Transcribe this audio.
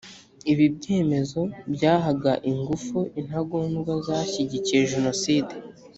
ibi byemezo byahaga ingufu intagondwa zashyigikiye jenoside